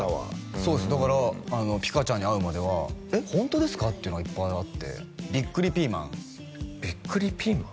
そうっすだからピカちゃんに会うまでは「えっホントですか？」ってのがいっぱいあってビックリピーマンビックリピーマン？